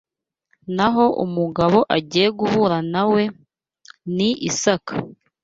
Naho umugabo agiye guhura na we ni Isaka.